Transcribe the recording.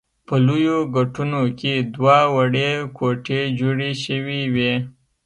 په لویو ګټونو کې دوه وړې کوټې جوړې شوې وې.